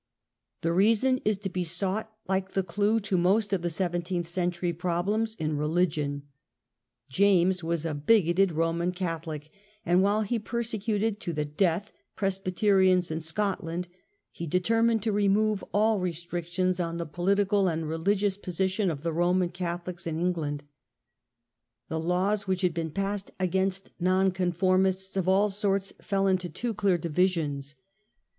The reason is to be sought, like the clue to most of the seventeenth century problems, in Religion ; James was a bigoted Roman Catholic, and while he persecuted to the death Presbyterians in Scotland, he determined to remove all restrictions on the political and religious position of the Roman Cathohcs in England. The laws which had been passed against Nonconformists of all sorts fall into two clear divisions.